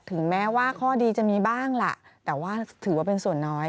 ถึงแม้ว่าข้อดีจะมีบ้างล่ะแต่ว่าถือว่าเป็นส่วนน้อย